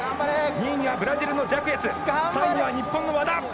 ２位はブラジルのジャクエス３位には日本の和田。